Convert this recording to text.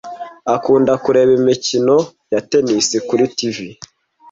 Akunda kureba imikino ya tennis kuri TV.